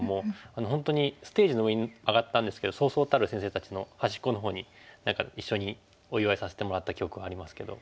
本当にステージの上に上がったんですけどそうそうたる先生たちの端っこの方に一緒にお祝いさせてもらった記憶がありますけど。